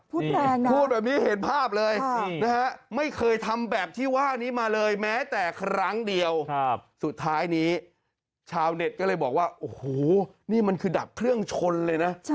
พูดแบบนี้เห็นภาพเลยนะฮะไม่เคยทำแบบที่ว่านี้มาเลยแม้แต่ครั้งเดียวสุดท้ายนี้ชาวเน็ตก็เลยบอกว่าโอ้โหนี่มันคือดับเครื่องชนเลยนะ